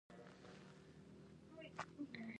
زموږ ډله یې کېنز اروپا نومي هوټل ته وسپارله.